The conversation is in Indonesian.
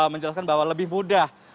menjelaskan bahwa lebih mudah